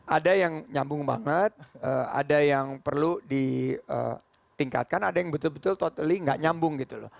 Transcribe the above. ada yang nyambung banget ada yang perlu ditingkatkan ada yang betul betul totaly nggak nyambung gitu loh